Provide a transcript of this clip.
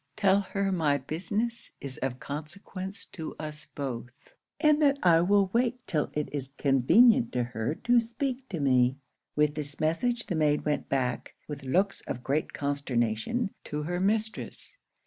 Tell her my business is of consequence to us both, and that I will wait till it is convenient to her to speak to me.' With this message the maid went back, with looks of great consternation, to her mistress.